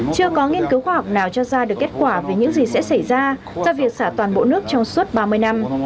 chưa có nghiên cứu khoa học nào cho ra được kết quả về những gì sẽ xảy ra do việc xả toàn bộ nước trong suốt ba mươi năm